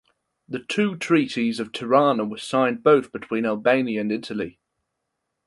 The two Treaties of Tirana were signed both between Albania and Italy.